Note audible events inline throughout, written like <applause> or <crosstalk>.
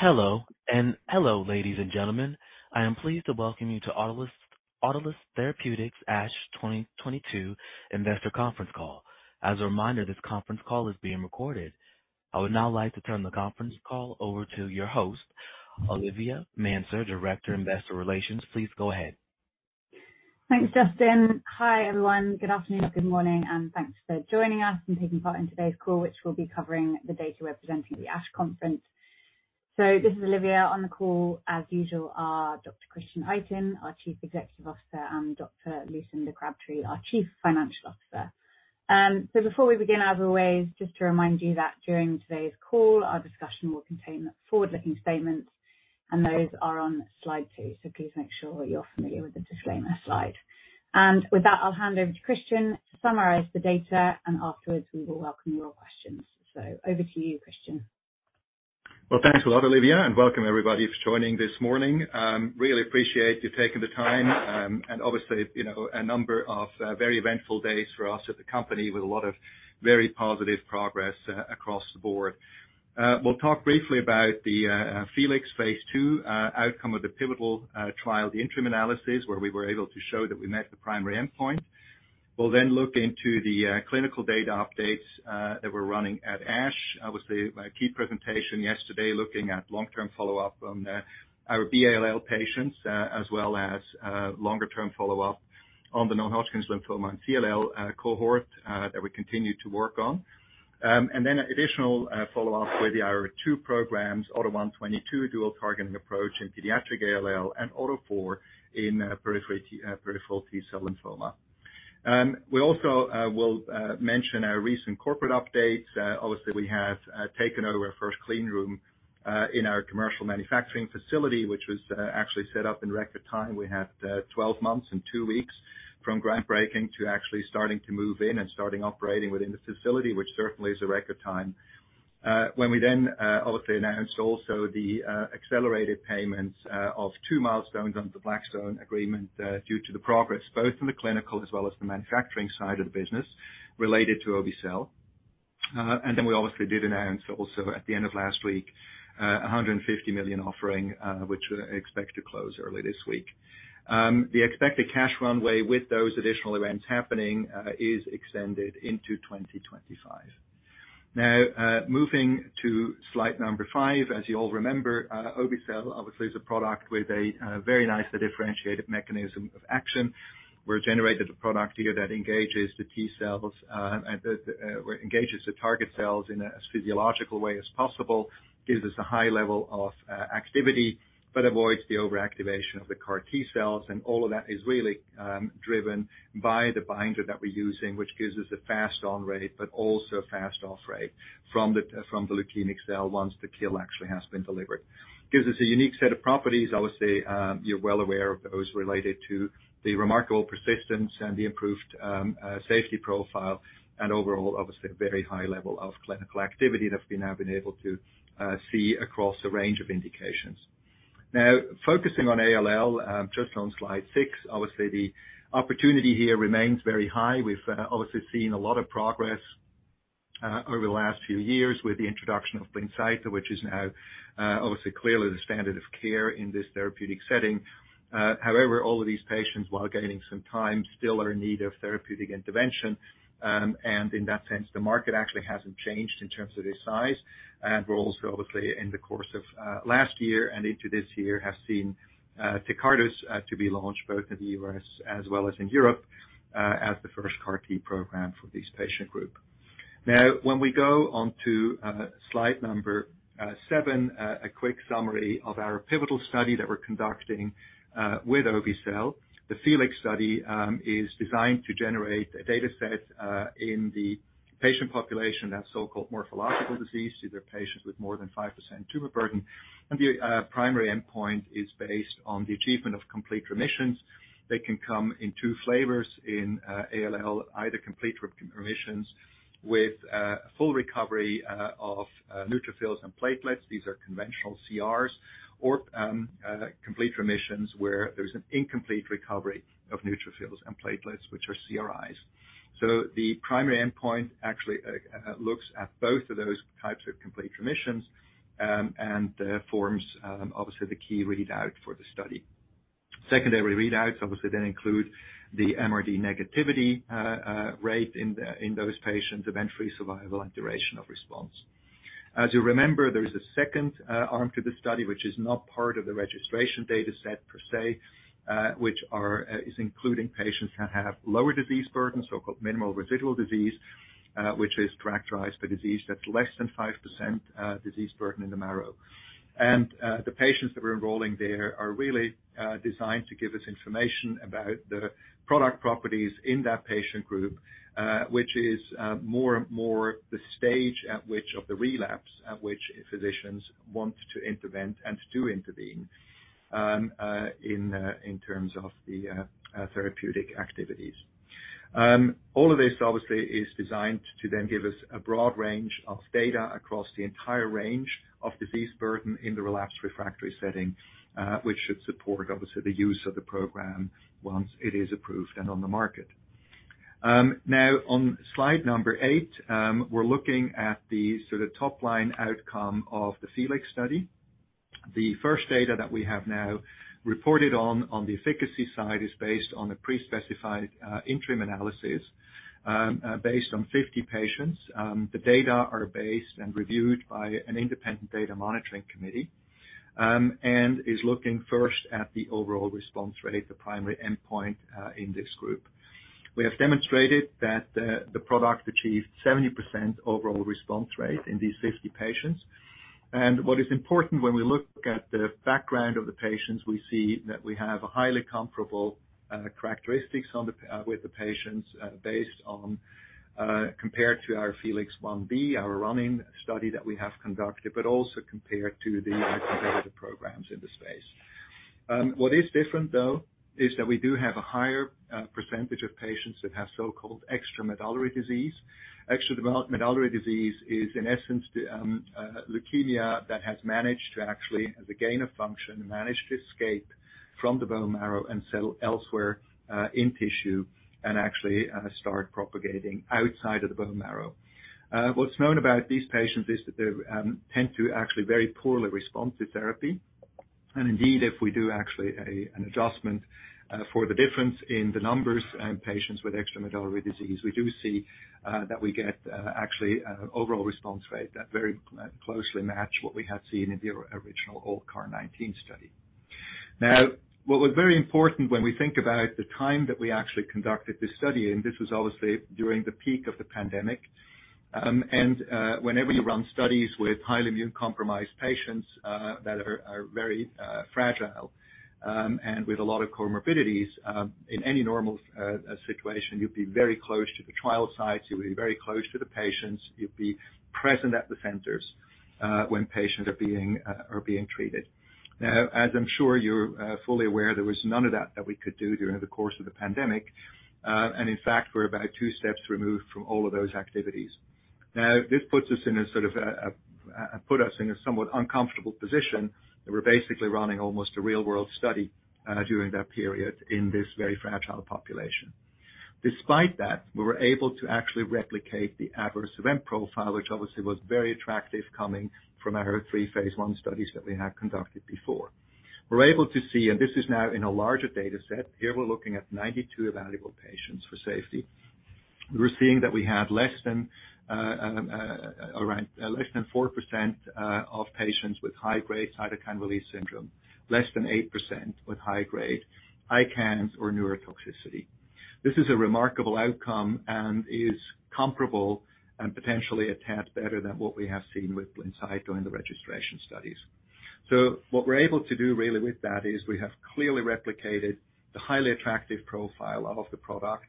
Hello, ladies and gentlemen. I am pleased to welcome you to Autolus Therapeutics ASH 2022 investor conference call. As a reminder, this conference call is being recorded. I would now like to turn the conference call over to your host, Olivia Manser, Director, Investor Relations. Please go ahead. Thanks, Justin. Hi, everyone. Good afternoon. Good morning, and thanks for joining us and taking part in today's call, which will be covering the data we're presenting at the ASH conference. This is Olivia. On the call, as usual, are Dr. Christian Itin, our Chief Executive Officer, and Dr. Lucinda Crabtree, our Chief Financial Officer. Before we begin, as always, just to remind you that during today's call, our discussion will contain forward-looking statements, and those are on slide two. Please make sure you're familiar with the disclaimer slide. With that, I'll hand over to Christian to summarize the data, and afterwards we will welcome your questions. Over to you, Christian. Well, thanks a lot, Olivia. Welcome everybody for joining this morning. Really appreciate you taking the time. Obviously, you know, a number of very eventful days for us at the company with a lot of very positive progress across the board. We'll talk briefly about the FELIX phase II outcome of the pivotal trial, the interim analysis, where we were able to show that we met the primary endpoint. We'll look into the clinical data updates that we're running at ASH. My key presentation yesterday looking at long-term follow-up on our ALL patients, as well as longer term follow-up on the non-Hodgkin lymphoma and CLL cohort that we continue to work on. Additional follow-ups with the IR two programs, AUTO1/22 dual targeting approach in pediatric ALL and AUTO4 in peripheral T-cell lymphoma. We also will mention our recent corporate updates. Obviously we have taken out our first clean room in our commercial manufacturing facility, which was actually set up in record time. We had 12 months and two weeks from groundbreaking to actually starting to move in and starting operating within the facility, which certainly is a record time. When we then obviously announced also the accelerated payments of two milestones under the Blackstone agreement due to the progress both in the clinical as well as the manufacturing side of the business related to obe-cel. We obviously did announce also at the end of last week, a $150 million offering, which we expect to close early this week. The expected cash runway with those additional events happening, is extended into 2025. Moving to slide number five. As you all remember, obe-cel obviously is a product with a very nicely differentiated mechanism of action. We generated a product here that engages the T cells, engages the target cells in a as physiological way as possible, gives us a high level of activity, but avoids the overactivation of the CAR T cells. All of that is really driven by the binder that we're using, which gives us a fast on rate, but also fast off rate from the leukemic cell once the kill actually has been delivered. Gives us a unique set of properties. Obviously, you're well aware of those related to the remarkable persistence and the improved safety profile and overall obviously a very high level of clinical activity that we've now been able to see across a range of indications. Focusing on ALL, just on slide six, obviously the opportunity here remains very high. We've obviously seen a lot of progress over the last few years with the introduction of blincyto, which is now obviously clearly the standard of care in this therapeutic setting. However, all of these patients, while gaining some time, still are in need of therapeutic intervention, and in that sense, the market actually hasn't changed in terms of its size. We're also obviously, in the course of last year and into this year, have seen Tecartus to be launched both in the U.S. as well as in Europe, as the first CAR T program for this patient group. When we go onto slide number seven, a quick summary of our pivotal study that we're conducting with obe-cel. The FELIX study is designed to generate a data set in the patient population that so-called morphological disease. These are patients with more than 5% tumor burden. The primary endpoint is based on the achievement of complete remissions that can come in two flavors in ALL, either complete remissions with full recovery of neutrophils and platelets. These are conventional CRs or complete remissions where there's an incomplete recovery of neutrophils and platelets, which are CRIs. The primary endpoint actually looks at both of those types of complete remissions and forms obviously the key readout for the study. Secondary readouts obviously then include the MRD negativity rate in those patients, eventually survival and duration of response. As you remember, there is a second arm to this study, which is not part of the registration data set per se, which is including patients that have lower disease burden, so-called minimal residual disease, which is characterized by disease that's less than 5% disease burden in the marrow. The patients that we're enrolling there are really designed to give us information about the product properties in that patient group, which is more the stage at which of the relapse at which physicians want to intervene and do intervene in terms of the therapeutic activities. All of this obviously is designed to give us a broad range of data across the entire range of disease burden in the relapsed refractory setting, which should support obviously the use of the program once it is approved and on the market. On slide eight, we're looking at the sort of top-line outcome of the FELIX study. The first data that we have reported on the efficacy side is based on a pre-specified interim analysis, based on 50 patients. The data are based and reviewed by an independent data monitoring committee, is looking first at the overall response rate, the primary endpoint, in this group. We have demonstrated that the product achieved 70% overall response rate in these 50 patients. What is important when we look at the background of the patients, we see that we have a highly comparable characteristics with the patients based on compared to our FELIX phase Ib, our running study that we have conducted, but also compared to the competitive programs in the space. What is different, though, is that we do have a higher percentage of patients that have so-called extramedullary disease. Extramedullary disease is, in essence, the leukemia that has managed to actually, the gain of function, managed to escape from the bone marrow and settle elsewhere in tissue and actually start propagating outside of the bone marrow. What's known about these patients is that they tend to actually very poorly respond to therapy. Indeed, if we do actually an adjustment for the difference in the numbers in patients with extramedullary disease, we do see that we get actually an overall response rate that very closely match what we had seen in the original ALLCAR19 study. What was very important when we think about the time that we actually conducted this study, and this was obviously during the peak of the pandemic. And whenever you run studies with highly immune-compromised patients that are very fragile and with a lot of comorbidities in any normal situation, you'd be very close to the trial sites. You would be very close to the patients. You'd be present at the centers when patients are being treated. As I'm sure you're fully aware, there was none of that that we could do during the course of the pandemic. In fact, we're about two steps removed from all of those activities. This puts us in a sort of, put us in a somewhat uncomfortable position that we're basically running almost a real-world study during that period in this very fragile population. Despite that, we were able to actually replicate the adverse event profile, which obviously was very attractive coming from our three phase I studies that we had conducted before. We're able to see, and this is now in a larger data set. Here, we're looking at 92 evaluable patients for safety. We're seeing that we had less than 4% of patients with high-grade cytokine release syndrome, less than 8% with high grade ICANS or neurotoxicity. This is a remarkable outcome and is comparable and potentially a tad better than what we have seen with blincyto during the registration studies. What we're able to do really with that is we have clearly replicated the highly attractive profile of the product.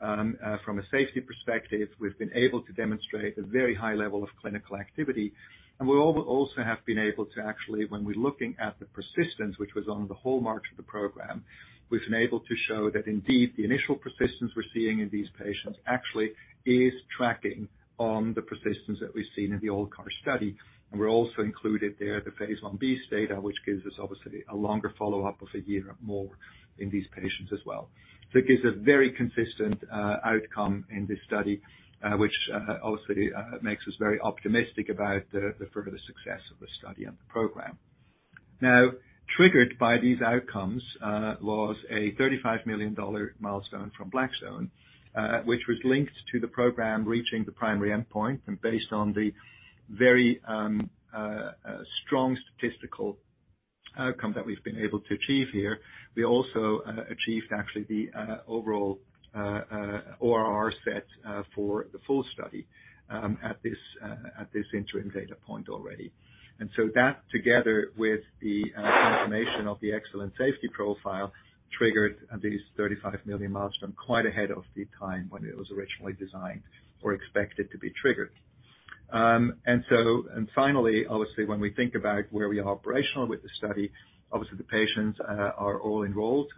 From a safety perspective, we've been able to demonstrate a very high level of clinical activity, and we also have been able to actually, when we're looking at the persistence, which was on the hallmark of the program, we've been able to show that indeed the initial persistence we're seeing in these patients actually is tracking on the persistence that we've seen in the ALLCAR study. We're also included there the phase Ib data, which gives us obviously a longer follow-up of a year or more in these patients as well. It gives a very consistent outcome in this study, which obviously makes us very optimistic about the further success of the study and the program. Triggered by these outcomes was a $35 million milestone from Blackstone, which was linked to the program reaching the primary endpoint. Based on the very strong statistical outcome that we've been able to achieve here, we also achieved actually the overall ORR set for the full study at this interim data point already. That, together with the confirmation of the excellent safety profile, triggered this 35 million milestone quite ahead of the time when it was originally designed or expected to be triggered. Finally, obviously, when we think about where we are operational with the study, obviously the patients are all enrolled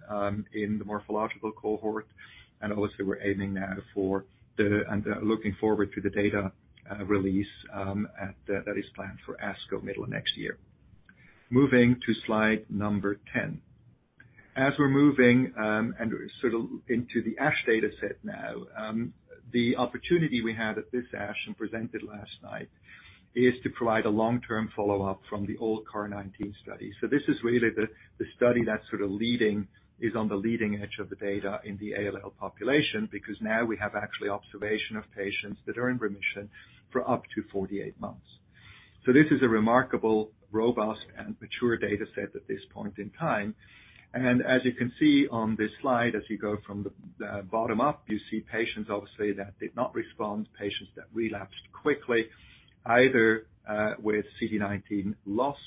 in the morphological cohort. Obviously, we're aiming now for the... and looking forward to the data release that is planned for ASCO middle of next year. Moving to slide number 10. As we're moving and sort of into the ASH dataset now, the opportunity we had at this ASH and presented last night is to provide a long-term follow-up from the ALLCAR19 study. This is really the study that's sort of leading, is on the leading edge of the data in the ALL population, because now we have actually observation of patients that are in remission for up to 48 months. This is a remarkable, robust, and mature data set at this point in time. As you can see on this slide, as you go from the bottom up, you see patients obviously that did not respond, patients that relapsed quickly, either with CD19 loss,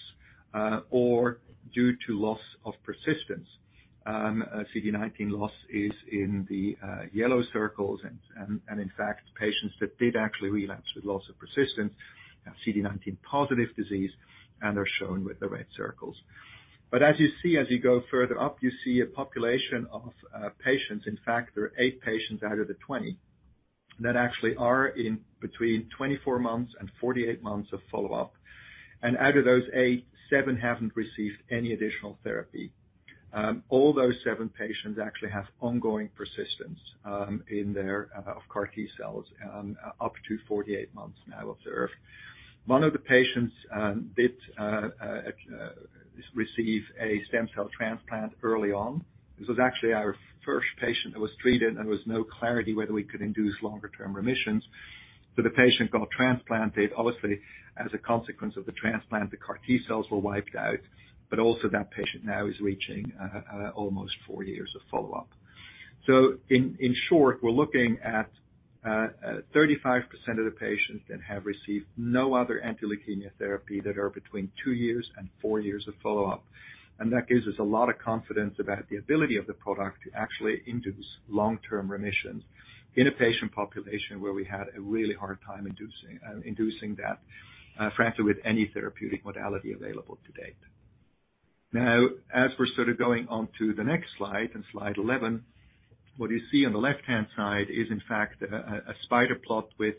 or due to loss of persistence. CD19 loss is in the yellow circles and in fact, patients that did actually relapse with loss of persistence have CD19 positive disease, and they're shown with the red circles. As you see, as you go further up, you see a population of patients. In fact, there are 8 patients out of the 20 that actually are in between 24 months and 48 months of follow-up. Out of those 8, 7 haven't received any additional therapy. All those 7 patients actually have ongoing persistence in their CAR T-cells up to 48 months now observed. One of the patients did receive a stem cell transplant early on. This was actually our first patient that was treated, and there was no clarity whether we could induce longer-term remissions. The patient got transplanted. Obviously, as a consequence of the transplant, the CAR T-cells were wiped out. Also that patient now is reaching almost 4 years of follow-up. In short, we're looking at 35% of the patients that have received no other anti-leukemia therapy that are between two years and four years of follow-up. That gives us a lot of confidence about the ability of the product to actually induce long-term remissions in a patient population where we had a really hard time inducing that, frankly, with any therapeutic modality available to date. As we're sort of going on to the next slide, in slide 11, what you see on the left-hand side is, in fact, a spider plot with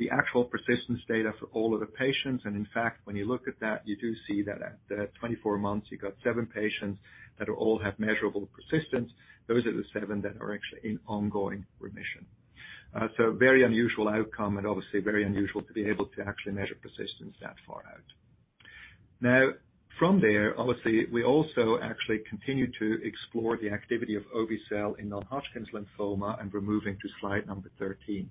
the actual persistence data for all of the patients. In fact, when you look at that, you do see that at 24 months you've got seven patients that all have measurable persistence. Those are the seven that are actually in ongoing remission. Very unusual outcome and obviously very unusual to be able to actually measure persistence that far out. Now, from there, obviously we also actually continue to explore the activity of obe-cel in non-Hodgkin lymphoma, and we're moving to slide number 13.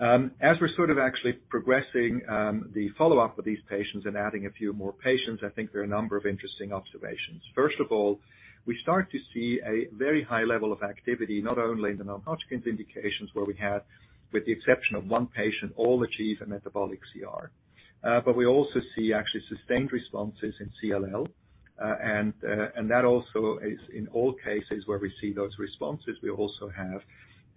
As we're sort of actually progressing, the follow-up with these patients and adding a few more patients, I think there are a number of interesting observations. First of all, we start to see a very high level of activity, not only in the non-Hodgkin indications where we had, with the exception of one patient, all achieve a metabolic CR. But we also see actually sustained responses in CLL, and that also is in all cases where we see those responses, we also have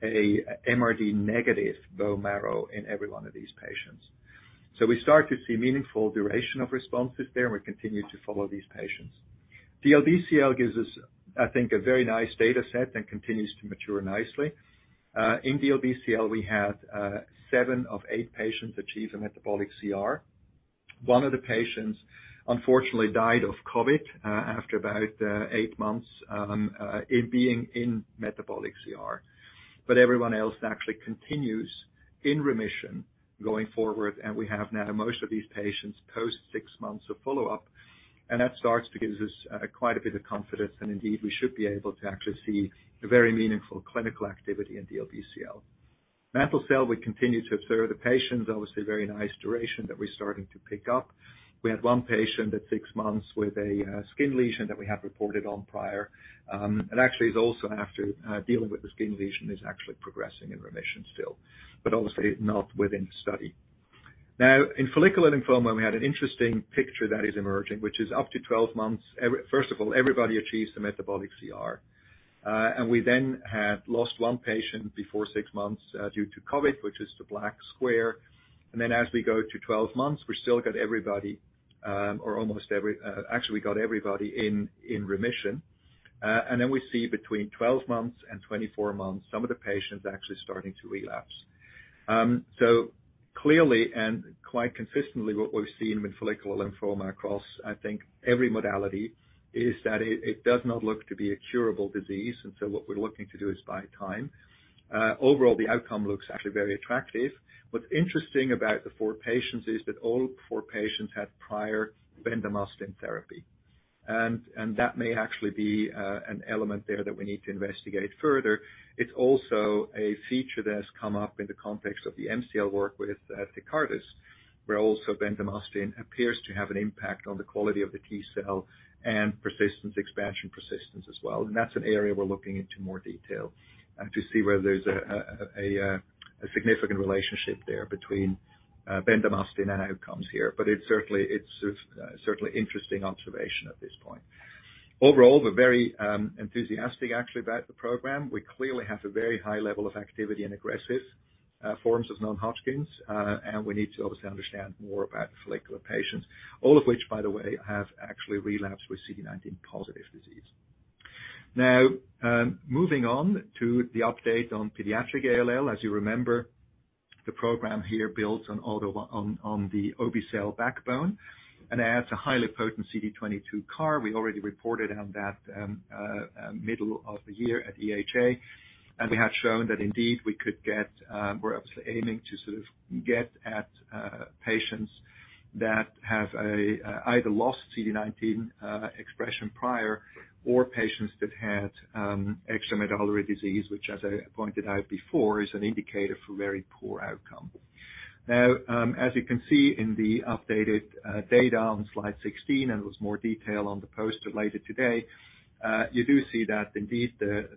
a MRD negative bone marrow in every one of these patients. We start to see meaningful duration of responses there, and we continue to follow these patients. DLBCL gives us, I think, a very nice data set and continues to mature nicely. In DLBCL, we had 7 of 8 patients achieve a metabolic CR. One of the patients unfortunately died of COVID after about 8 months in being in metabolic CR. Everyone else actually continues in remission going forward, and we have now most of these patients post 6 months of follow-up, and that starts to give us quite a bit of confidence and indeed we should be able to actually see a very meaningful clinical activity in DLBCL. mantle cell, we continue to observe the patients. Obviously a very nice duration that we're starting to pick up. We had one patient at six months with a skin lesion that we have reported on prior. Actually is also after dealing with the skin lesion, is actually progressing in remission still, but obviously not within the study. In follicular lymphoma, we had an interesting picture that is emerging, which is up to 12 months. First of all, everybody achieves the metabolic CR. We then had lost one patient before six months due to COVID, which is the black square. As we go to 12 months, we still got everybody, actually we got everybody in remission. We see between 12 months and 24 months, some of the patients actually starting to relapse. Clearly and quite consistently what we've seen with follicular lymphoma across I think every modality is that it does not look to be a curable disease. What we're looking to do is buy time. Overall, the outcome looks actually very attractive. What's interesting about the 4 patients is that all 4 patients had prior bendamustine therapy. That may actually be an element there that we need to investigate further. It's also a feature that has come up in the context of the MCL work with Tecartus, where also bendamustine appears to have an impact on the quality of the T-cell and persistence, expansion persistence as well. That's an area we're looking into more detail to see whether there's a significant relationship there between bendamustine and outcomes here. It certainly, it's certainly interesting observation at this point. Overall, we're very enthusiastic actually, about the program. We clearly have a very high level of activity in aggressive forms of non-Hodgkin's, and we need to obviously understand more about the follicular patients, all of which, by the way, have actually relapsed with CD19 positive disease. Moving on to the update on pediatric ALL. As you remember, the program here builds on all the obe-cel backbone and adds a highly potent CD22 CAR. We already reported on that middle of the year at EHA. We had shown that indeed we could get, we're obviously aiming to sort of get at patients that have either lost CD19 expression prior or patients that had extramedullary disease, which as I pointed out before, is an indicator for very poor outcome. As you can see in the updated data on slide 16, and there's more detail on the post later today, you do see that indeed the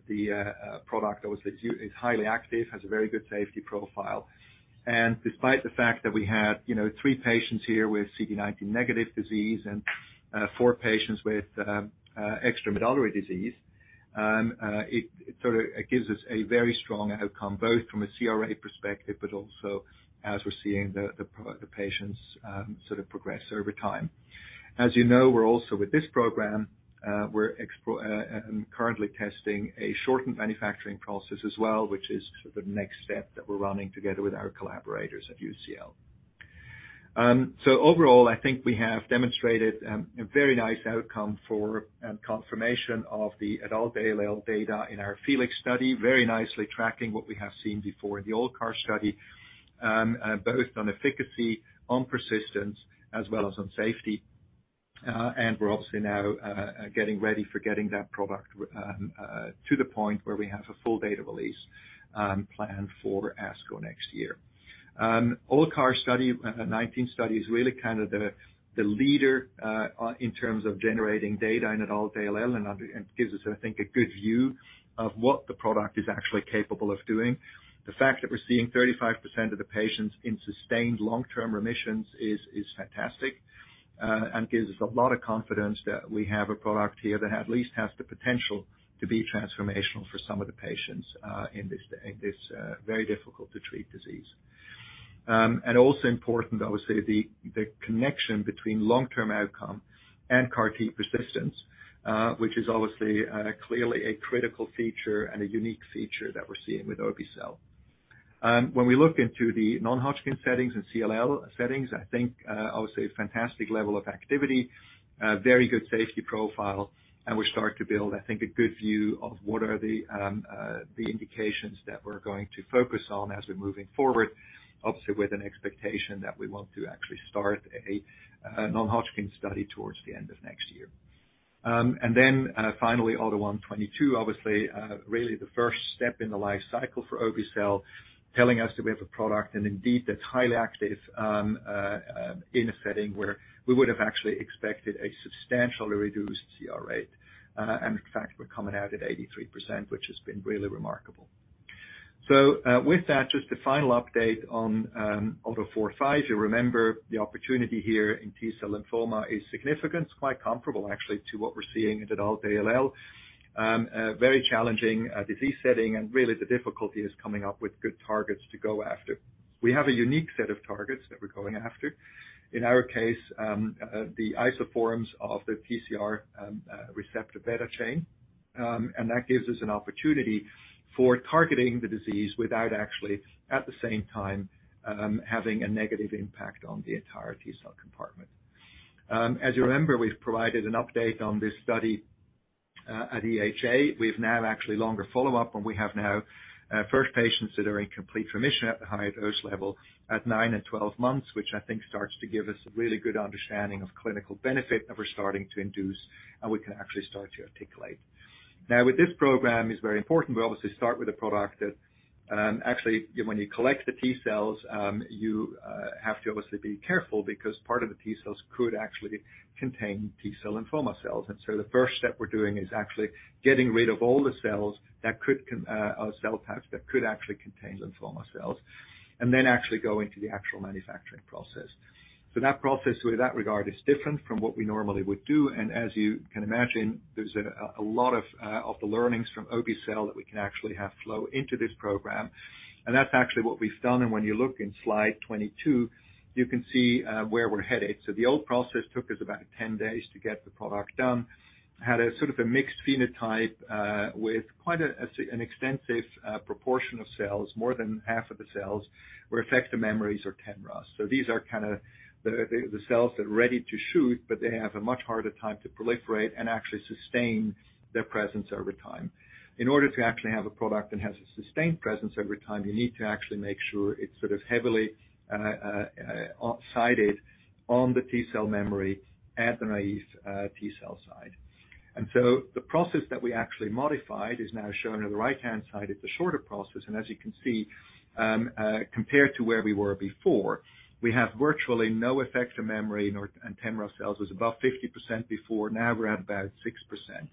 product obviously is highly active, has a very good safety profile. Despite the fact that we had, you know, 3 patients here with CD19 negative disease and 4 patients with extramedullary disease, it sort of gives us a very strong outcome, both from a CR perspective, but also as we're seeing the patients sort of progress over time. As you know, we're also with this program, we're currently testing a shortened manufacturing process as well, which is sort of the next step that we're running together with our collaborators at UCL. Overall, I think we have demonstrated a very nice outcome for and confirmation of the adult ALL data in our FELIX study, very nicely tracking what we have seen before in the old CAR study, both on efficacy, on persistence, as well as on safety. We're obviously now getting ready for getting that product to the point where we have a full data release planned for ASCO next year. ALLCAR19 study is really kinda the leader in terms of generating data in adult ALL and gives us, I think, a good view of what the product is actually capable of doing. The fact that we're seeing 35% of the patients in sustained long-term remissions is fantastic and gives us a lot of confidence that we have a product here that at least has the potential to be transformational for some of the patients in this very difficult-to-treat disease. Also important, obviously, the connection between long-term outcome and CAR T persistence, which is obviously, clearly a critical feature and a unique feature that we're seeing with obe-cel. When we look into the non-Hodgkin settings and CLL settings, I think, obviously a fantastic level of activity, a very good safety profile, and we start to build, I think, a good view of what are the indications that we're going to focus on as we're moving forward, obviously, with an expectation that we want to actually start a non-Hodgkin study towards the end of next year. Finally, AUTO1/22, obviously, really the first step in the life cycle for obe-cel, telling us that we have a product, and indeed that's highly active, in a setting where we would have actually expected a substantially reduced CR rate. In fact, we're coming out at 83%, which has been really remarkable. With that, just a final update on AUTO4/5. You remember the opportunity here in T-cell lymphoma is significant. It's quite comparable actually to what we're seeing in adult ALL. Very challenging disease setting, and really the difficulty is coming up with good targets to go after. We have a unique set of targets that we're going after. In our case, the isoforms of the TCR receptor beta chain, that gives us an opportunity for targeting the disease without actually, at the same time, having a negative impact on the entire T-cell compartment. As you remember, we've provided an update on this study at EHA. We've now actually longer follow-up, and we have now first patients that are in complete remission at the highest dose level at 9 and 12 months, which I think starts to give us a really good understanding of clinical benefit that we're starting to induce, and we can actually start to articulate. Now with this program, it's very important, we obviously start with a product that actually when you collect the T cells, you have to obviously be careful because part of the T cells could actually contain T-cell lymphoma cells. The first step we're doing is actually getting rid of all the cells that could cell types that could actually contain lymphoma cells, and then actually go into the actual manufacturing process. That process with that regard is different from what we normally would do. As you can imagine, there's a lot of the learnings from obe-cel that we can actually have flow into this program. That's actually what we've done. When you look in slide 22, you can see where we're headed. The old process took us about 10 days to get the product done. Had a sort of a mixed phenotype, with quite a an extensive proportion of cells, more than half of the cells were effector memories or TEMRA. These are kind of the cells that are ready to shoot, but they have a much harder time to proliferate and actually sustain their presence over time. In order to actually have a product that has a sustained presence over time, you need to actually make sure it's sort of heavily sided on the T-cell memory at the naive T-cell side. The process that we actually modified is now shown on the right-hand side. It's a shorter process. As you can see, compared to where we were before, we have virtually no effector memory nor... and TEMRA cells. It was above 50% before. Now we're at about 6%.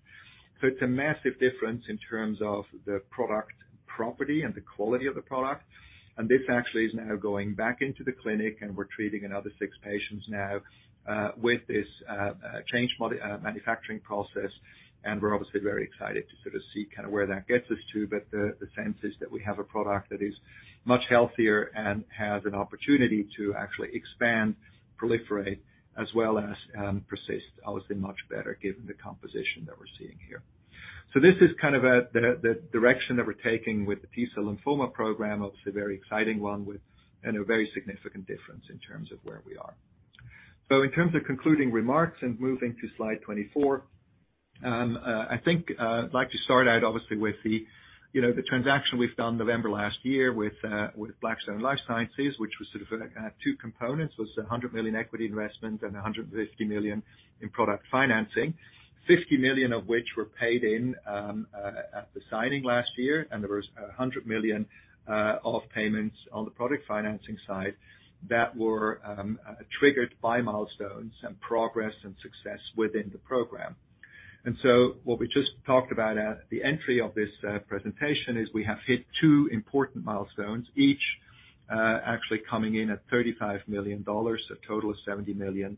It's a massive difference in terms of the product property and the quality of the product. This actually is now going back into the clinic, and we're treating another six patients now with this changed mode manufacturing process. We're obviously very excited to sort of see kinda where that gets us to. The sense is that we have a product that is much healthier and has an opportunity to actually expand, proliferate, as well as persist, obviously much better given the composition that we're seeing here. This is kind of the direction that we're taking with the T-cell lymphoma program. Obviously a very exciting one with and a very significant difference in terms of where we are. In terms of concluding remarks and moving to slide 24, I think I'd like to start out obviously with the, you know, the transaction we've done November last year with Blackstone Life Sciences, which was sort of two components. Was a $100 million equity investment and a $150 million in product financing, $50 million of which were paid in at the signing last year. There was a $100 million of payments on the product financing side that were triggered by milestones and progress and success within the program. What we just talked about at the entry of this presentation is we have hit two important milestones, each actually coming in at $35 million, a total of $70 million.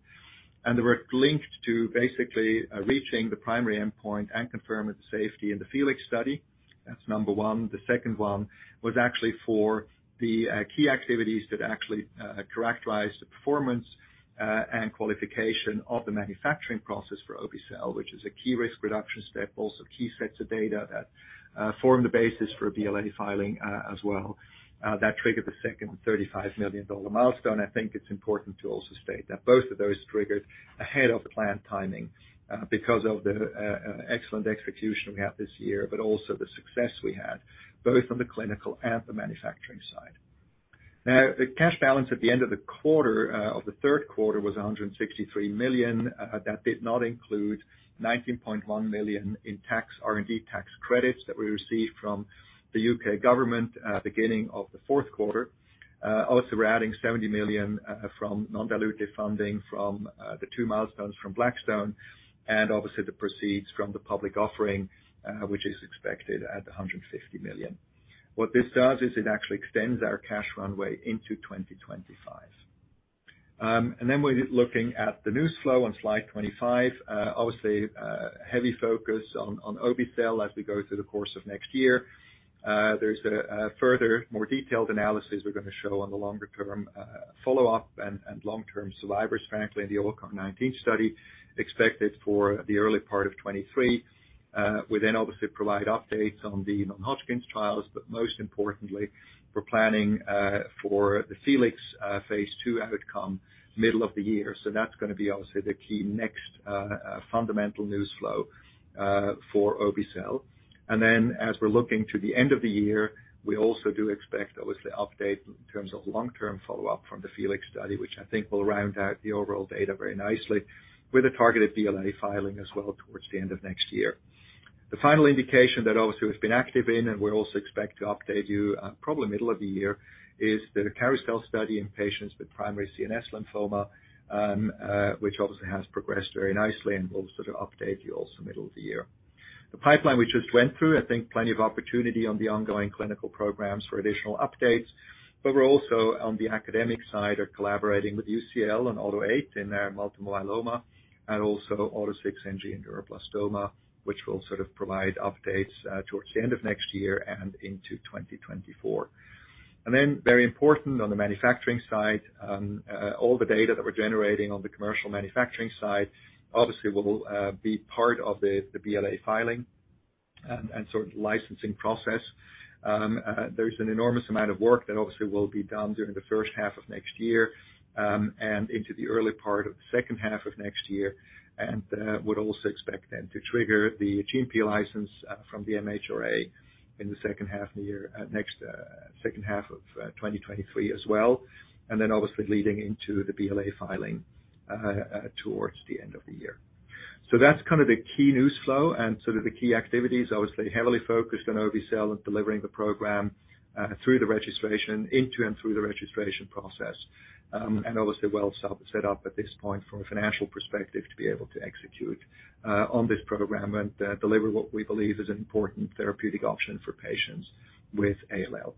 They were linked to basically reaching the primary endpoint and confirming safety in the FELIX study. That's number one. The second one was actually for the key activities that actually characterized the performance, and qualification of the manufacturing process for obe-cel, which is a key risk reduction step, also key sets of data that form the basis for a BLA filing as well. That triggered the second $35 million milestone. I think it's important to also state that both of those triggered ahead of plan timing because of the excellent execution we had this year, but also the success we had both on the clinical and the manufacturing side. Now, the cash balance at the end of the quarter of the third quarter was $163 million. That did not include 19.1 million in R&D tax credits that we received from the UK government beginning of the fourth quarter. We're adding 70 million from non-dilutive funding from the two milestones from Blackstone and obviously the proceeds from the public offering, which is expected at $150 million. What this does is it actually extends our cash runway into 2025. We're looking at the news flow on slide 25. Obviously, heavy focus on obe-cel as we go through the course of next year. There's a further more detailed analysis we're gonna show on the longer term follow-up and long-term survivors frankly, in the ALLCAR19 study expected for the early part of 2023. We then obviously provide updates on the non-Hodgkin's trials. Most importantly, we're planning for the FELIX phase II outcome middle of the year. That's gonna be obviously the key next fundamental news flow for obe-cel. As we're looking to the end of the year, we also do expect, obviously, update in terms of long-term follow-up from the FELIX study, which I think will round out the overall data very nicely with a targeted BLA filing as well towards the end of next year. The final indication that obviously we've been active in, and we also expect to update you, probably middle of the year, is the CAROUSEL study in patients with primary CNS lymphoma, which obviously has progressed very nicely, and we'll sort of update you also middle of the year. The pipeline we just went through, I think plenty of opportunity on the ongoing clinical programs for additional updates. We're also on the academic side are collaborating with UCL and AUTO8 in their multiple myeloma and also AUTO6NG neuroblastoma, which will sort of provide updates towards the end of next year and into 2024. Very important on the manufacturing side, all the data that we're generating on the commercial manufacturing side obviously will be part of the BLA filing and licensing process. There's an enormous amount of work that obviously will be done during the first half of next year and into the early part of the second half of next year. Would also expect then to trigger the GMP license from the MHRA in the second half of the year, next, second half of 2023 as well, and then obviously leading into the BLA filing towards the end of the year. That's kind of the key news flow and sort of the key activities, obviously heavily focused on obe-cel and delivering the program through the registration, into and through the registration process. Obviously well set up at this point from a financial perspective to be able to execute on this program and deliver what we believe is an important therapeutic option for patients with ALL.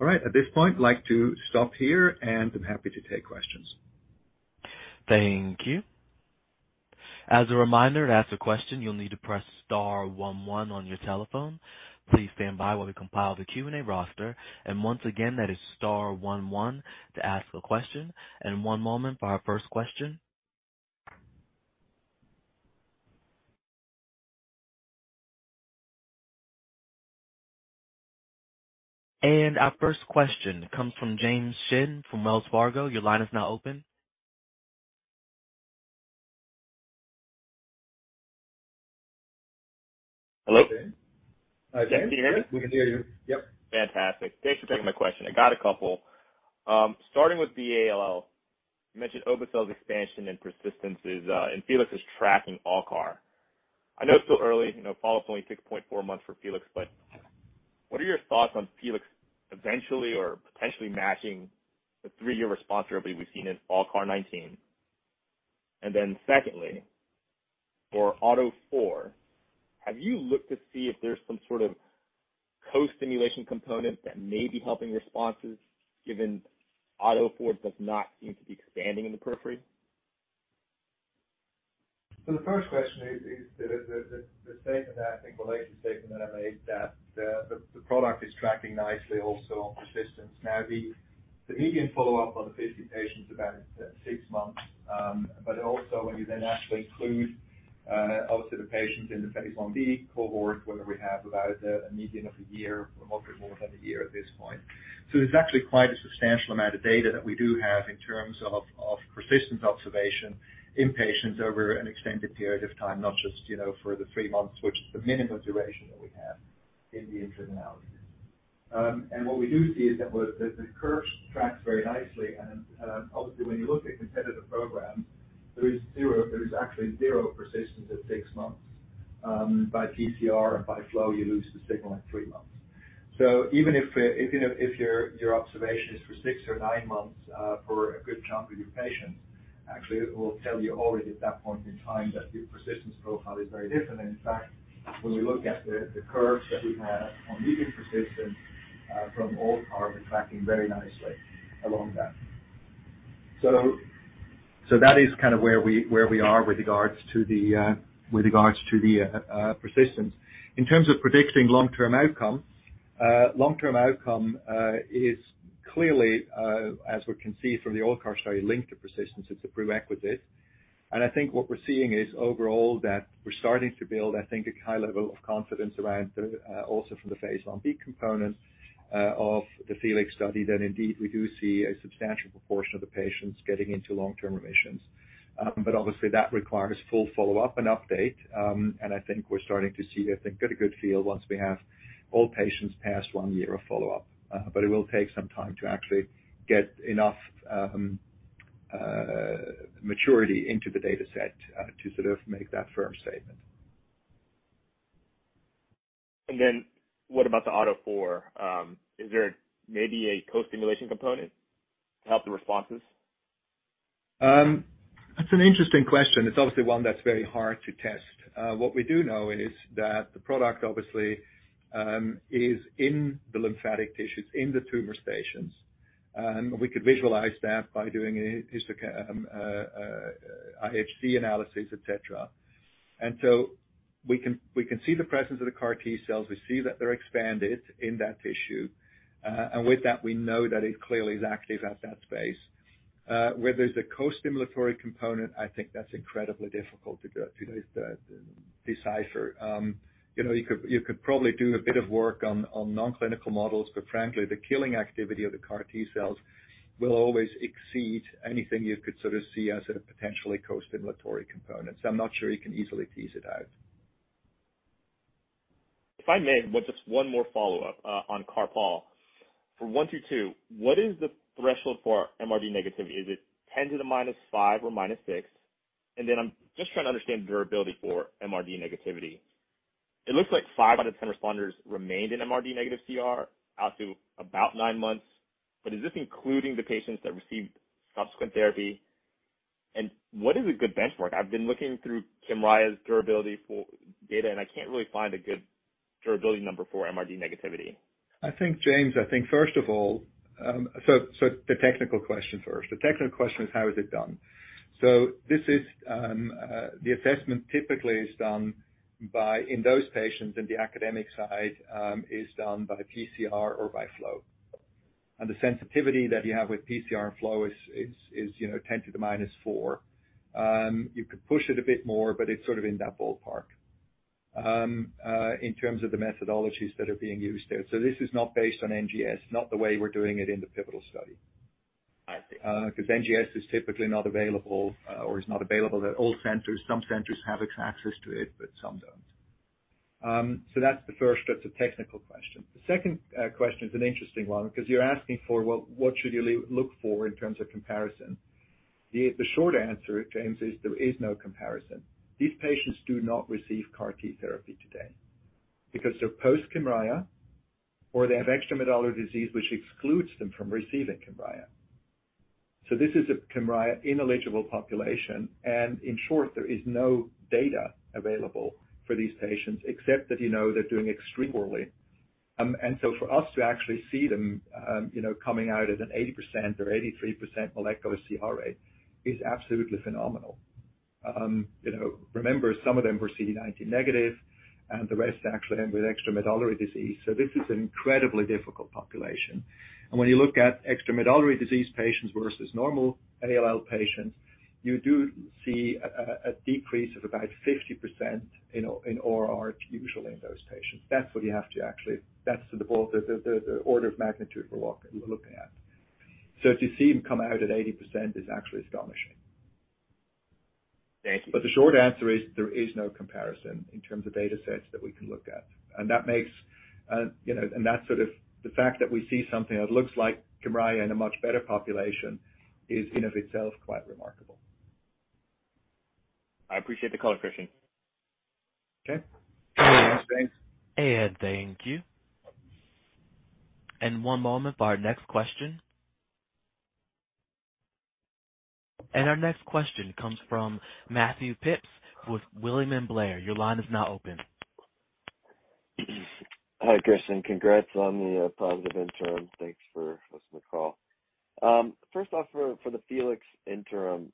All right. At this point, I'd like to stop here and I'm happy to take questions. Thank you. As a reminder, to ask a question, you'll need to press Star one one on your telephone. Please stand by while we compile the Q&A roster. Once again, that is Star one one to ask a question. One moment for our first question. Our first question comes from James Shin from Wells Fargo. Your line is now open. Hello? Hi, James. Can you hear me? We can hear you. Yep. Fantastic. Thanks for taking my question. I got a couple. Starting with the ALL, you mentioned obe-cel's expansion and persistence is and FELIX is tracking ALLCAR. I know it's still early, you know, follow-up's only 6.4 months for FELIX, but what are your thoughts on FELIX eventually or potentially matching the three year response rate we've seen in ALLCAR19? Secondly, for AUTO4, have you looked to see if there's some sort of co-stimulation component that may be helping responses given AUTO4 does not seem to be expanding in the periphery? The first question is, the statement that I think, the latest statement that I made, that the product is tracking nicely also on persistence. The median follow-up on the 50 patients is about six months. Also when you then actually include, obviously the patients in the phase Ib cohort where we have about a median of a year or multiple more than a year at this point. There's actually quite a substantial amount of data that we do have in terms of persistence observation in patients over an extended period of time, not just, you know, for the three months, which is the minimum duration that we have in the interim analysis. What we do see is that the curves tracks very nicely and obviously when you look at competitive programs, there is actually zero persistence at six months. By TCR and by flow, you lose the signal at three months. Even if, you know, if your observation is for six or nine months, for a good chunk of your patients, actually it will tell you already at that point in time that your persistence profile is very different. In fact, when we look at the curves that we have on median persistence from ALLCAR, we're tracking very nicely along that. That is kind of where we are with regards to the persistence. In terms of predicting long-term outcome, long-term outcome is clearly, as we can see from the old CAR study linked to persistence, it's a prerequisite. I think what we're seeing is overall that we're starting to build, I think, a high level of confidence around the also from the FELIX phase Ib component of the FELIX study that indeed we do see a substantial proportion of the patients getting into long-term remissions. Obviously that requires full follow-up and update. I think we're starting to see, I think, get a good feel once we have all patients past one year of follow-up. It will take some time to actually get enough maturity into the dataset to sort of make that firm statement. What about the AUTO4? Is there maybe a co-stimulation component to help the responses? That's an interesting question. It's obviously one that's very hard to test. What we do know is that the product obviously is in the lymphatic tissues, in the tumor stations. We could visualize that by doing IHC analysis, et cetera. So we can see the presence of the CAR T-cells. We see that they're expanded in that tissue. With that we know that it clearly is active at that space. Whether there's a co-stimulatory component, I think that's incredibly difficult to do is decipher. You know, you could probably do a bit of work on non-clinical models, but frankly, the killing activity of the CAR T-cells will always exceed anything you could sort of see as a potentially co-stimulatory component. I'm not sure you can easily tease it out. If I may, with just one more follow-up on CARPALL. For 1/22, what is the threshold for MRD negativity? Is it 10 to the minus five or minus six? I'm just trying to understand durability for MRD negativity. It looks like five out of 10 responders remained in MRD negative CR out to about nine months. Is this including the patients that received subsequent therapy? What is a good benchmark? I've been looking through Kymriah's durability for data, and I can't really find a good durability number for MRD negativity. I think, James, I think first of all, The technical question first. The technical question is how is it done? This is, the assessment typically is done by, in those patients in the academic side, is done by TCR or by flow. The sensitivity that you have with TCR and flow is, you know, 10 to the minus four. You could push it a bit more, but it's sort of in that ballpark, in terms of the methodologies that are being used there. This is not based on NGS, not the way we're doing it in the pivotal study. I see. 'Cause NGS is typically not available or is not available at all centers. Some centers have access to it, but some don't. That's the first sort of technical question. The second question is an interesting one because you're asking for what should you look for in terms of comparison. The short answer, James, is there is no comparison. These patients do not receive CAR T therapy today because they're post Kymriah or they have extramedullary disease, which excludes them from receiving Kymriah. This is a Kymriah ineligible population. In short, there is no data available for these patients except that, you know, they're doing extremely poorly. For us to actually see them, you know, coming out at an 80% or 83% molecular CR rate is absolutely phenomenal. You know, remember some of them were CD19 negative. The rest actually had with extramedullary disease. This is an incredibly difficult population. When you look at extramedullary disease patients versus normal ALL patients, you do see a decrease of about 50% in RRR usually in those patients. That's what you have to actually. That's the ball, the order of magnitude we're looking at. To see them come out at 80% is actually astonishing. Thank you. The short answer is there is no comparison in terms of data sets that we can look at. That makes, you know, and that sort of the fact that we see something that looks like Kymriah in a much better population is in of itself quite remarkable. I appreciate the call, Christian. Okay. Thanks. Thank you. One moment for our next question. Our next question comes from Matthew Phipps with William Blair. Your line is now open. Hi, Christian. Congrats on the positive interim. Thanks for hosting the call. First off, for the FELIX interim,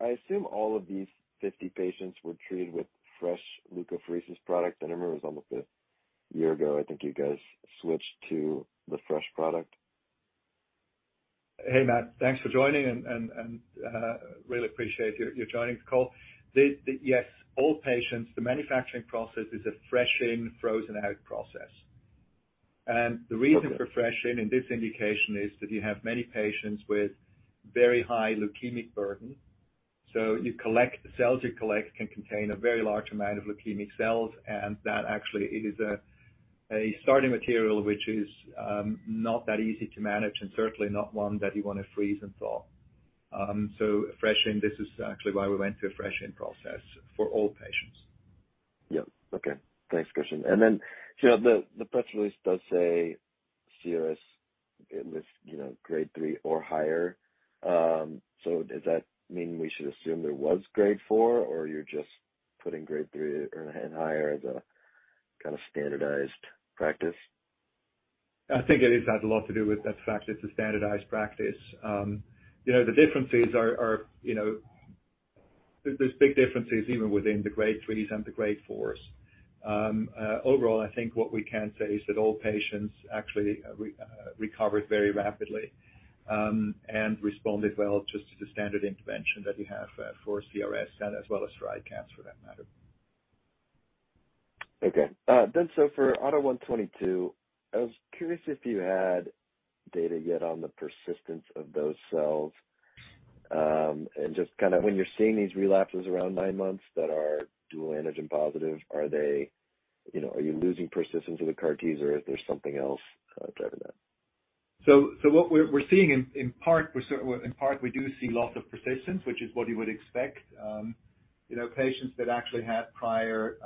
I assume all of these 50 patients were treated with fresh leukapheresis product. I remember it was almost a year ago, I think you guys switched to the fresh product. Hey, Matt. Thanks for joining and really appreciate your joining the call. Yes, all patients, the manufacturing process is a fresh in, frozen out process. The reason for fresh in in this indication is that you have many patients with very high leukemic burden. You collect, the cells you collect can contain a very large amount of leukemic cells, and that actually is a starting material which is not that easy to manage and certainly not one that you wanna freeze and thaw. Fresh in, this is actually why we went through a fresh in process for all patients. Yeah. Okay. Thanks, Christian. You know, the press release does say CRS in this, you know, grade three or higher. Does that mean we should assume there was grade four or you're just putting grade three and higher as a kinda standardized practice? I think it is, Matt, a lot to do with the fact it's a standardized practice. you know, the differences are, you know. There's big differences even within the grade threes and the grade fours. overall, I think what we can say is that all patients actually recovered very rapidly, and responded well just to the standard intervention that we have, for CRS and as well as for ICANS for that matter. Okay. For AUTO1/22, I was curious if you had data yet on the persistence of those cells. Just kinda when you're seeing these relapses around nine months that are dual antigen positive, are they, you know, are you losing persistence of the CAR Ts or is there something else driving that? What we're seeing in part we do see lots of persistence, which is what you would expect. you know, patients that actually had prior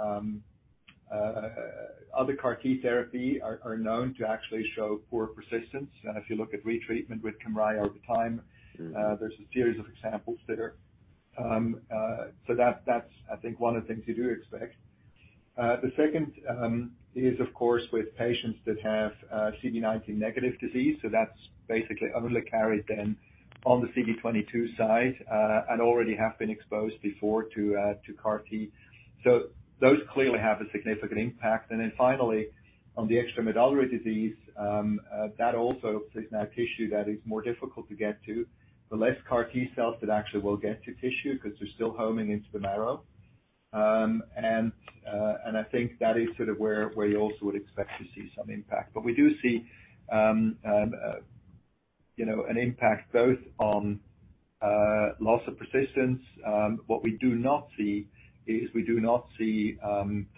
other CAR T therapy are known to actually show poor persistence. If you look at retreatment with Kymriah over time. Mm-hmm. there's a series of examples there. That's, that's I think one of the things you do expect. The second, is of course with patients that have, CD19 negative disease, that's basically only carried then on the CD22 side, and already have been exposed before to CAR T. Those clearly have a significant impact. Finally, on the extramedullary disease, that also is now tissue that is more difficult to get to. The less CAR T cells that actually will get to tissue because they're still homing into the marrow. And, and I think that is sort of where you also would expect to see some impact. We do see, you know, an impact both on, loss of persistence. What we do not see is we do not see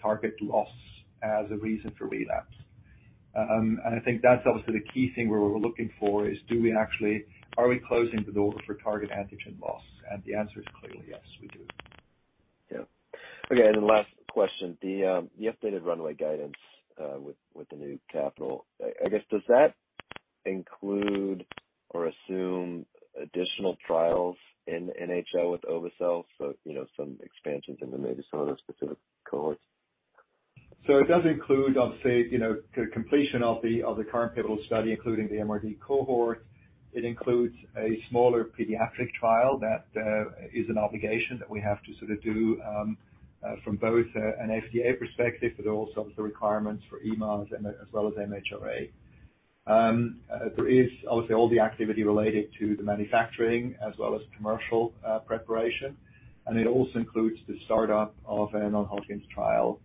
target loss as a reason for relapse. I think that's obviously the key thing where we're looking for is do we actually, are we closing the door for target antigen loss? The answer is clearly yes, we do. Yeah. Okay, last question. The updated runway guidance with the new capital, I guess, does that include or assume additional trials in NHL with obe-cel? You know, some expansions into maybe some of those specific cohorts. It does include, obviously, you know, the completion of the current pivotal study, including the MRD cohort. It includes a smaller pediatric trial that is an obligation that we have to sort of do from both an FDA perspective, but also obviously requirements for EMA as well as MHRA. There is obviously all the activity related to the manufacturing as well as commercial preparation. It also includes the startup of a non-Hodgkin's trial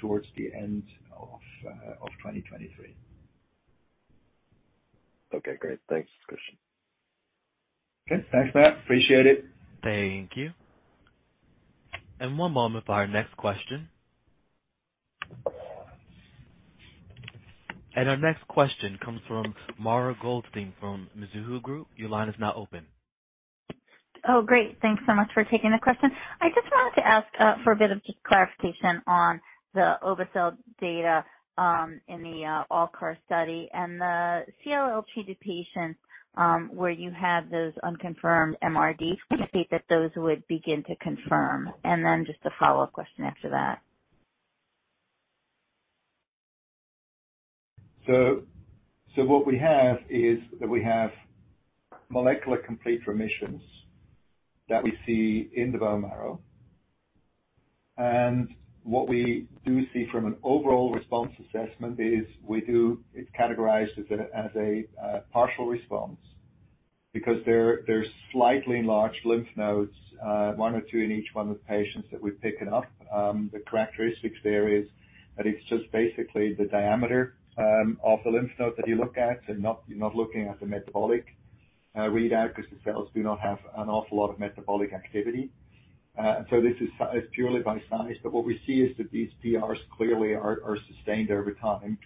towards the end of 2023. Okay, great. Thanks, Christian. Okay, thanks Matt. Appreciate it. Thank you. One moment for our next question. Our next question comes from Mara Goldstein from Mizuho Group. Your line is now open. Oh, great. Thanks so much for taking the question. I just wanted to ask for a bit of just clarification on the obe-cel data in the ALLCAR study and the CLL PD patient where you had those unconfirmed MRD. Can you speak that those would begin to confirm? Just a follow-up question after that. What we have is that we have molecular complete remissions that we see in the bone marrow. What we do see from an overall response assessment is we do it's categorized as a partial response because there's slightly enlarged lymph nodes, one or two in each one of the patients that we've picked up. The characteristics there is that it's just basically the diameter of the lymph node that you look at and not looking at the metabolic readout because the cells do not have an awful lot of metabolic activity. This is purely by size. What we see is that these PRs clearly are sustained over time.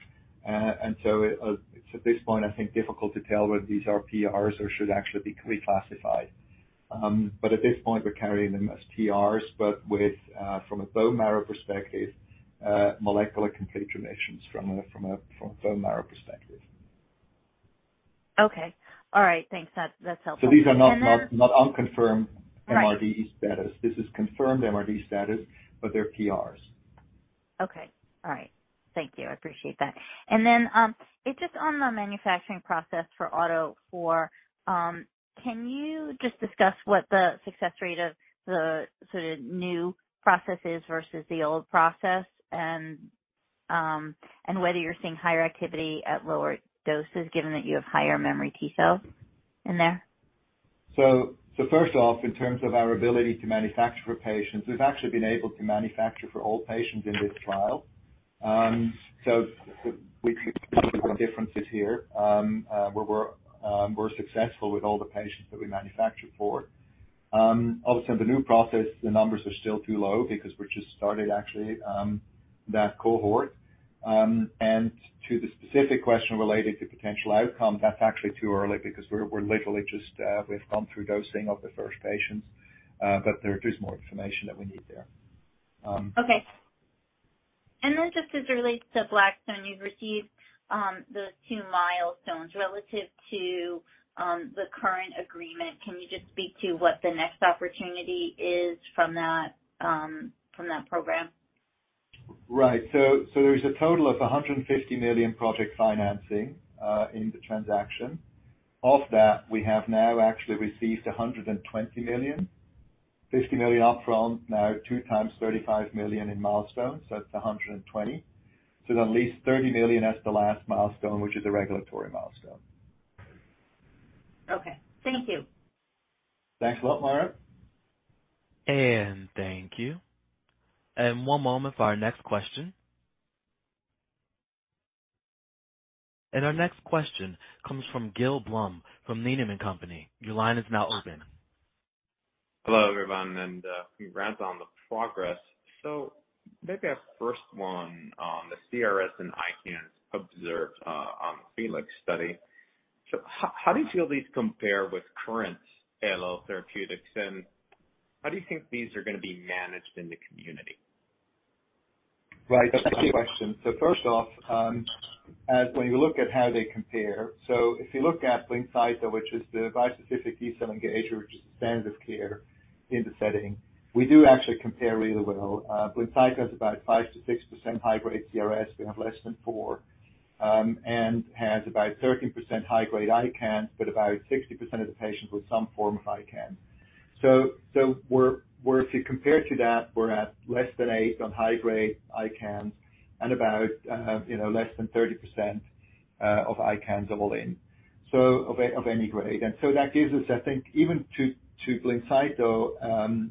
It's at this point, I think, difficult to tell whether these are PRs or should actually be reclassified. At this point, we're carrying them as PRs, but with, from a bone marrow perspective, molecular complete remissions from bone marrow perspective. Okay. All right. Thanks. That's helpful. These are not unconfirmed MRD status. Right. This is confirmed MRD status, but they're PRs. Okay. All right. Thank you. I appreciate that. Just on the manufacturing process for AUTO4, can you just discuss what the success rate of the sort of new process is versus the old process and whether you're seeing higher activity at lower doses given that you have higher memory T cells in there? First off, in terms of our ability to manufacture for patients, we've actually been able to manufacture for all patients in this trial. We see differences here, where we're successful with all the patients that we manufacture for. Obviously the new process, the numbers are still too low because we just started actually that cohort. To the specific question related to potential outcome, that's actually too early because we're literally just we've gone through dosing of the first patients, but there is more information that we need there. Okay. Just as it relates to Blackstone, you've received, those two milestones relative to, the current agreement. Can you just speak to what the next opportunity is from that, from that program? Right. There is a total of $150 million project financing in the transaction. Of that, we have now actually received $120 million, $50 million up front, now 2x $35 million in milestones, so that's $120 million. There's at least $30 million as the last milestone, which is a regulatory milestone. Okay. Thank you. Thanks a lot, Mara. Thank you. One moment for our next question. Our next question comes from Gil Blum, from Needham & Company. Your line is now open. Hello, everyone, and congrats on the progress. Maybe I first one on the CRS and ICANS observed on the FELIX study. How do you feel these compare with current ALL therapeutics, and how do you think these are gonna be managed in the community? Right. That's a good question. First off, when you look at how they compare, if you look at Blincyto, which is the bispecific T cell engager, which is the standard of care in the setting, we do actually compare really well. Blincyto has about 5% to 6% high-grade CRS. We have less than four, Has about 13% high-grade ICANS, but about 60% of the patients with some form of ICANS. We're if you compare to that, we're at less than eight on high-grade ICANS and about, you know, less than 30% of ICANS all in of any grade. That gives us, I think, even to Blincyto,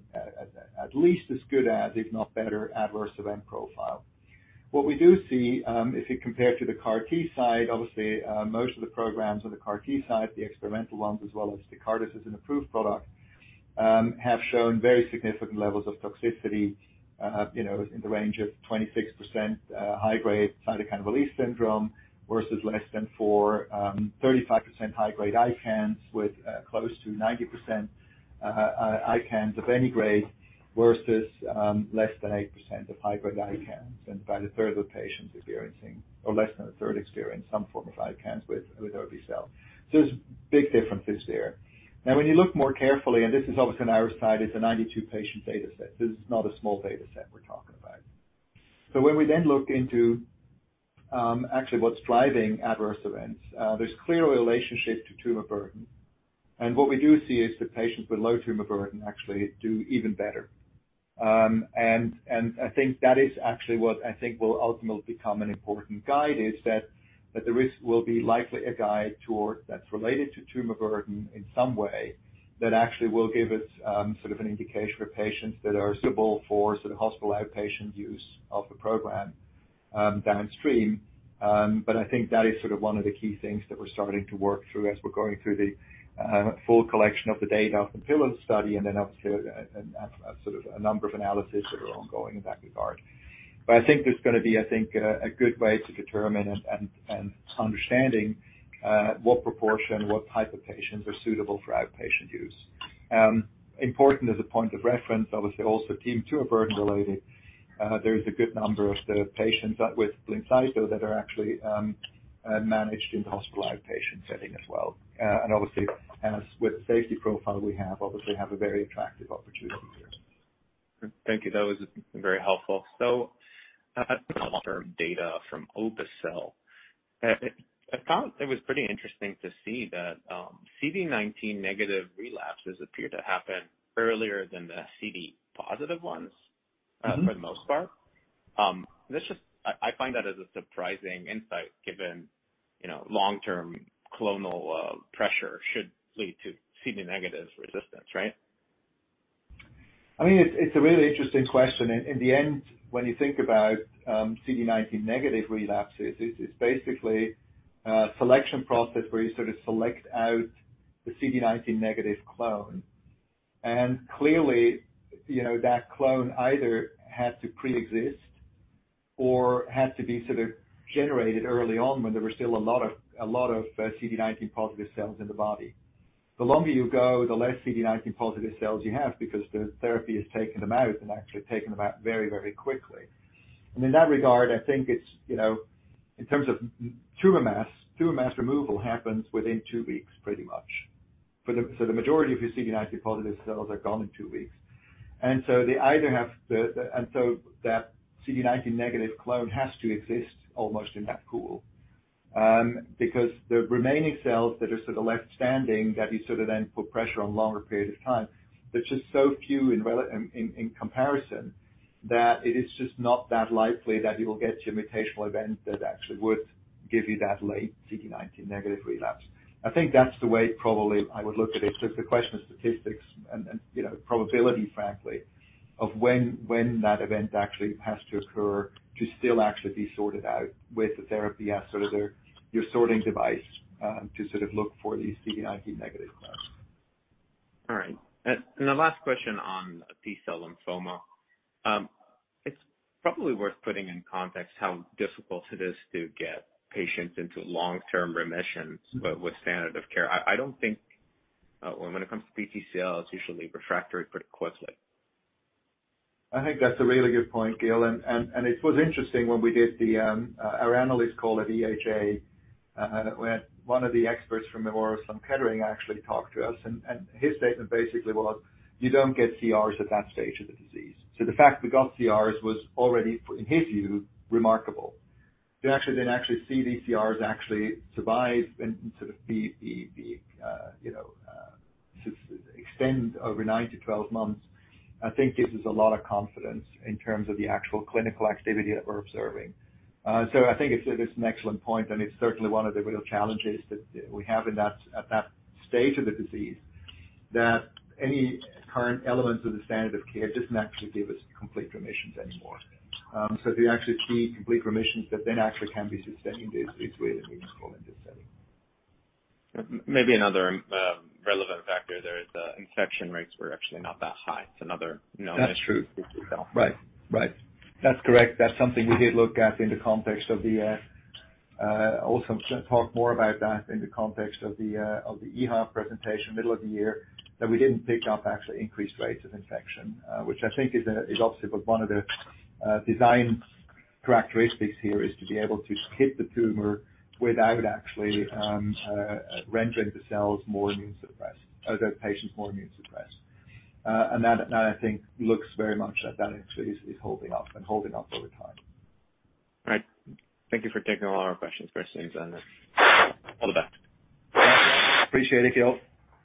at least as good as, if not better, adverse event profile. What we do see, if you compare to the CAR T side, obviously, most of the programs on the CAR T side, the experimental ones, as well as the CAR T is an approved product, have shown very significant levels of toxicity, you know, in the range of 26% high-grade cytokine release syndrome versus less than 4%, 35% high-grade ICANS with close to 90% ICANS of any grade versus less than 8% of high-grade ICANS. About a third of the patients experiencing or less than a third experience some form of ICANS with obe-cel. There's big differences there. When you look more carefully, and this is obviously on our side, it's a 92 patient data set. This is not a small data set we're talking about. When we then look into, actually what's driving adverse events, there's clear relationship to tumor burden. What we do see is that patients with low tumor burden actually do even better. And I think that is actually what I think will ultimately become an important guide, is that the risk will be likely a guide that's related to tumor burden in some way, that actually will give us, sort of an indication for patients that are suitable for sort of hospital outpatient use of the program, downstream. I think that is sort of one of the key things that we're starting to work through as we're going through the, full collection of the data from FELIX study and then up to, sort of a number of analyses that are ongoing in that regard. I think there's going to be, I think, a good way to determine and understanding what proportion, what type of patients are suitable for outpatient use. Important as a point of reference, obviously also team tumor burden related, there is a good number of the patients out with blincyto that are actually managed in the hospitalized patient setting as well. Obviously, as with safety profile, we obviously have a very attractive opportunity here. Thank you. That was very helpful. Long-term data from obe-cel, I found it was pretty interesting to see that CD19 negative relapses appear to happen earlier than the CD positive ones. Mm-hmm. For the most part. I find that as a surprising insight given, you know, long-term clonal pressure should lead to CD negatives resistance, right? I mean, it's a really interesting question. In the end, when you think about CD19 negative relapses, it's basically a selection process where you sort of select out the CD19 negative clone. Clearly, you know, that clone either had to preexist or had to be sort of generated early on when there were still a lot of CD19 positive cells in the body. The longer you go, the less CD19 positive cells you have because the therapy has taken them out and actually taken them out very, very quickly. In that regard, I think it's, you know. In terms of tumor mass, tumor mass removal happens within two weeks, pretty much. For the majority of your CD19 positive cells are gone in two weeks. They either have and so that CD19 negative clone has to exist almost in that pool. Because the remaining cells that are sort of left standing, that you sort of then put pressure on longer period of time, there's just so few in comparison, that it is just not that likely that you will get your mutational event that actually would give you that late CD19 negative relapse. I think that's the way probably I would look at it. It's a question of statistics and, you know, probability, frankly, of when that event actually has to occur to still actually be sorted out with the therapy as sort of your sorting device, to sort of look for these CD19 negative clones. All right. The last question on T cell lymphoma. It's probably worth putting in context how difficult it is to get patients into long-term remissions. Mm-hmm. with standard of care. I don't think, when it comes to PTCL, it's usually refractory pretty quickly. I think that's a really good point, Gil. It was interesting when we did the, our analyst call at EHA, when one of the experts from Memorial Sloan Kettering actually talked to us, and his statement basically was, "You don't get CRs at that stage of the disease." The fact we got CRs was already, in his view, remarkable. To actually then actually see these CRs actually survive and sort of be, you know, extend over nine to 12 months, I think gives us a lot of confidence in terms of the actual clinical activity that we're observing. I think it's an excellent point, and it's certainly one of the real challenges that we have in that, at that stage of the disease, that any current elements of the standard of care doesn't actually give us complete remissions anymore. The actual key complete remissions that then actually can be sustaining these way that we just call into setting. Maybe another relevant factor there is infection rates were actually not that high. It's another known issue. That's true. So. Right. Right. That's correct. That's something we did look at in the context of the also talk more about that in the context of the EHA presentation, middle of the year, that we didn't pick up actually increased rates of infection. Which I think is obviously was one of the design characteristics here, is to be able to hit the tumor without actually rendering the cells more immune suppressed, or the patients more immune suppressed. That, and that I think, looks very much that that actually is holding up and holding up over time. All right. Thank you for taking all our questions, Chris. Thanks, and hold back. Appreciate it, y'all.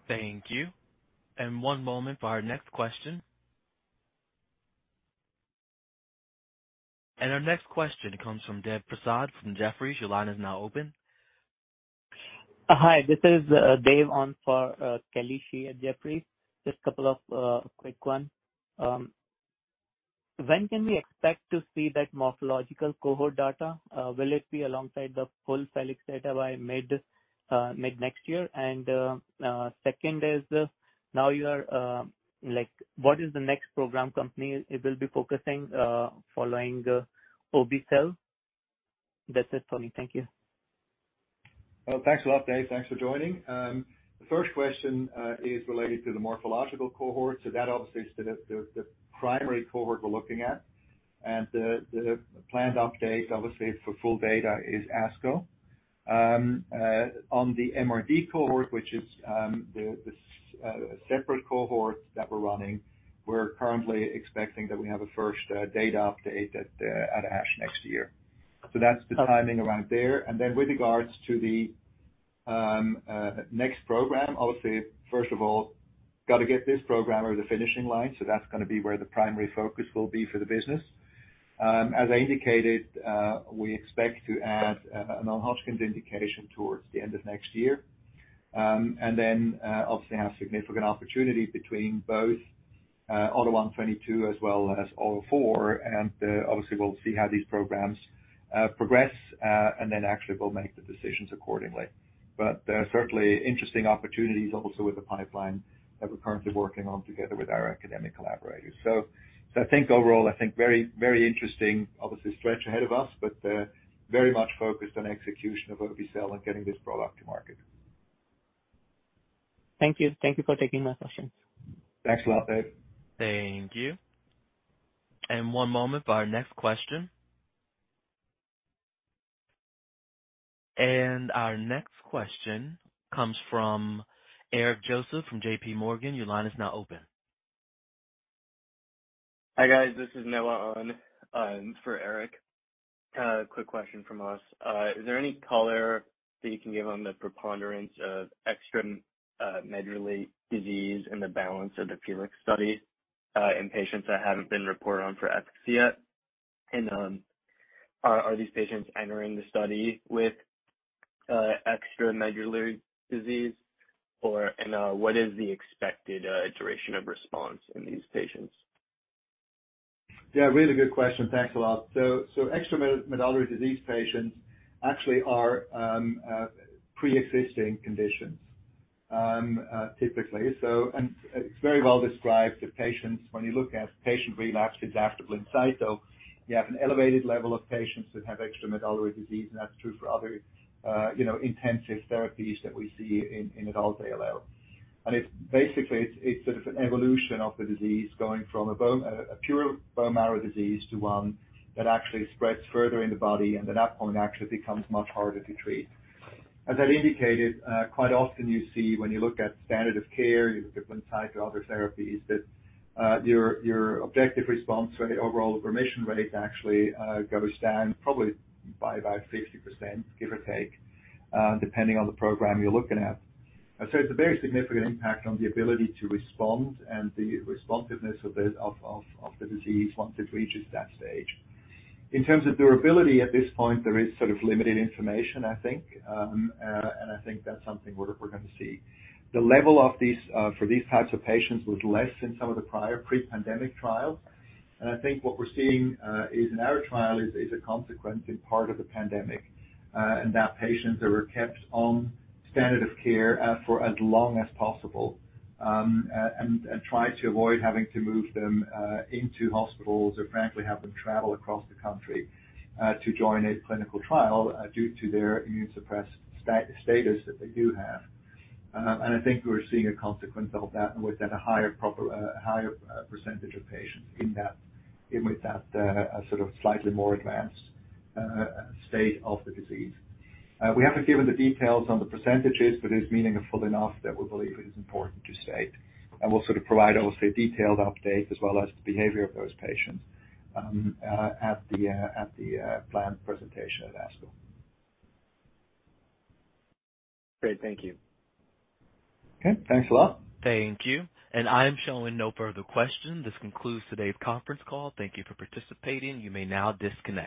Thank you. One moment for our next question. Our next question comes from Dev Prasad from Jefferies. Your line is now open. Hi, this is Dev on for Kelly Shi at Jefferies. Just a couple of quick one. When can we expect to see that morphological cohort data? Will it be alongside the full FELIX data by mid mid-next year? Second is, now you are like what is the next program company it will be focusing following obe-cel? That's it for me. Thank you. Thanks a lot, Dev. Thanks for joining. The first question is related to the morphological cohort. That obviously is the primary cohort we're looking at. The planned update, obviously for full data is ASCO. On the MRD cohort, which is the separate cohort that we're running, we're currently expecting that we have a first data update at ASH next year. That's the timing around there. With regards to the next program, obviously first of all, gotta get this program over the finishing line. That's gonna be where the primary focus will be for the business. As I indicated, we expect to add a non-Hodgkin's indication towards the end of next year. obviously have significant opportunities between both AUTO1/22 as well as AUTO4. obviously we'll see how these programs progress and then actually we'll make the decisions accordingly. There are certainly interesting opportunities also with the pipeline that we're currently working on together with our academic collaborators. I think overall, I think very, very interesting obviously stretch ahead of us, but very much focused on execution of obe-cel and getting this product to market. Thank you. Thank you for taking my questions. Thanks a lot, Dave. Thank you. One moment for our next question. Our next question comes from Eric Joseph from JPMorgan. Your line is now open. Hi guys, this is Noah on for Eric. Quick question from us. Is there any color that you can give on the preponderance of extramedullary disease and the balance of the FELIX study in patients that haven't been reported on for efficacy yet? Are these patients entering the study with extramedullary disease, or what is the expected duration of response in these patients? Yeah, really good question. Thanks a lot. Extramedullary disease patients actually are preexisting conditions, typically. It's very well described that patients, when you look at patient relapse antigen escape, so you have an elevated level of patients that have extramedullary disease, and that's true for other, you know, intensive therapies that we see in adult ALL. It's basically it's sort of an evolution of the disease going from a pure bone marrow disease to one that actually spreads further in the body and at that point actually becomes much harder to treat. As I indicated, quite often you see when you look at standard of care, different types of other therapies, that your objective response or the overall remission rates actually go down probably by about 60%, give or take, depending on the program you're looking at. It's a very significant impact on the ability to respond and the responsiveness of the disease once it reaches that stage. In terms of durability at this point, there is sort of limited information, I think. I think that's something we're gonna see. The level of these for these types of patients was less than some of the prior pre-pandemic trials. I think what we are seeing in that trial is a consequence in part of the pandemic and that patients were kept on standard of care for as long as possible. And tried to avoid having to move them into hospitals or apparently have them travel across the country to join a clinical trial due to their immune suppressed status that they do have. And I think we are seeing a consequence of that with a higher percentage of patients with that sort of slightly <inaudible> state of the disease. We have to give the details on the percentages to this meaning. <inaudible> We'll sort of provide, obviously, a detailed update as well as the behavior of those patients, at the planned presentation at ASCO. Great. Thank you. Okay. Thanks a lot. Thank you. I'm showing no further questions. This concludes today's conference call. Thank you for participating. You may now disconnect.